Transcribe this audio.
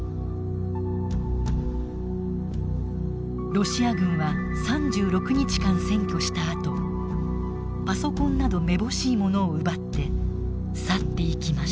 ロシア軍は３６日間占拠したあとパソコンなどめぼしいものを奪って去っていきました。